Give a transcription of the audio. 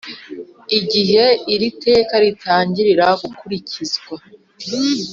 Igihe iri teka ritangirira gukurikizwa